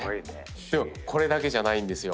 でもこれだけじゃないんですよ。